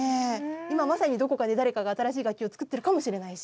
今まさにどこかで誰かが新しい楽器を作ってるかもしれないし。